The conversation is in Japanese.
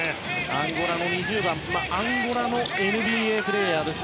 アンゴラの２０番、アンゴラのＮＢＡプレーヤーです